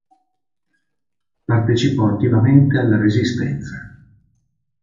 Partecipò attivamente alla Resistenza.